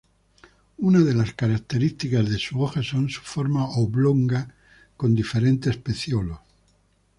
Una de las características de sus hojas son su forma oblonga con diferentes pecíolos.